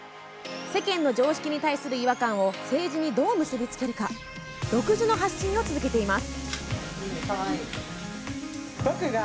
世間の常識に対する違和感を政治にどう結び付けるか独自の発信を続けています。